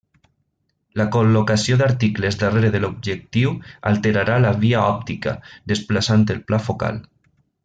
La col·locació d'articles darrere de l'objectiu alterarà la via òptica, desplaçant el pla focal.